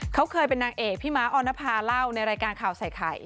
เขาเคยเป็นนางเอกพี่ม้าออนภาเล่าในรายการข่าวใส่ไข่